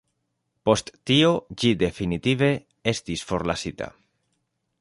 Post tio ĝi definitive estis forlasita.